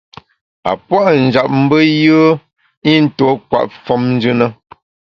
A puâ’ njap mbe yùe i ntuo kwet famnjù na.